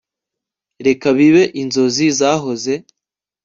Reka bibe inzozi zahoze